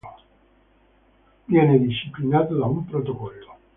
Viene disciplinato da un protocollo.